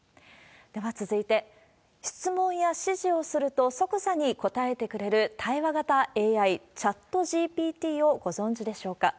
では続いて、質問や指示をすると即座に答えてくれる、対話型ＡＩ、チャットＧＰＴをご存じでしょうか。